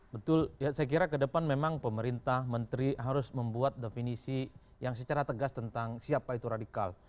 betul saya kira ke depan memang pemerintah menteri harus membuat definisi yang secara tegas tentang siapa itu radikal